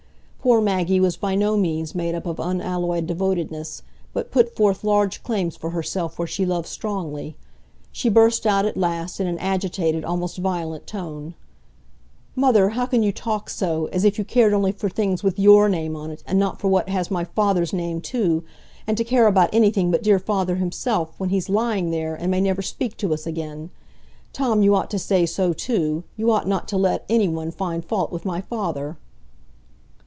Poor Maggie was by no means made up of unalloyed devotedness, but put forth large claims for herself where she loved strongly. She burst out at last in an agitated, almost violent tone: "Mother, how can you talk so; as if you cared only for things with your name on, and not for what has my father's name too; and to care about anything but dear father himself!—when he's lying there, and may never speak to us again. Tom, you ought to say so too; you ought not to let any one find fault with my father."